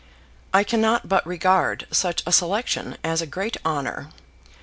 I cannot but regard such a selection as a great honour.